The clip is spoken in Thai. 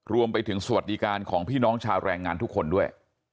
รวมไปถึงสวัสดิการของพี่น้องชาวแรงงานทุกคนด้วย